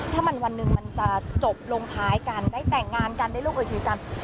ถ้ามันวันหนึ่งมันจะจบลงท้ายกันได้แต่งงานกันได้ร่วมกับชีวิตกัน